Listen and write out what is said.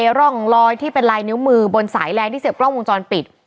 ร่องรอยที่เป็นลายนิ้วมือบนสายแรงที่เสียบกล้องวงจรปิด